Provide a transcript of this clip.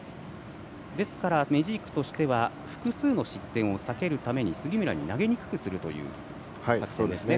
メジークとしては複数の失点を避けるために杉村に投げにくくするという作戦ですね。